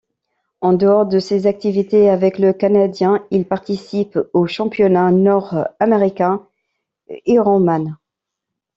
En dehors de ses activités avec le Canadien, il participe au championnat nord-américain Ironman.